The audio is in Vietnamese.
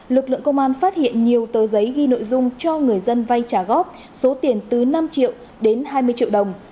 lực lượng công an phát hiện nhiều tờ giấy ghi nội dung cho người dân vay trả góp số tiền từ năm triệu đến hai mươi triệu đồng